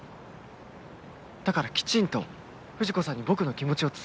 だからきちんと藤子さんに僕の気持ちを伝えたい。